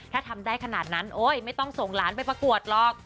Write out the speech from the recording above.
ถ้าทำได้ขนาดนั้นโอ๊ยไม่ต้องส่งหลานไปประกวดหรอก